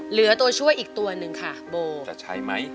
เหลือตัวช่วยอีกตัวหนึ่งค่ะโบจะใช้ไหม